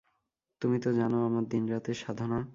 তুমি তো জান আমার দিনরাতের সাধনা।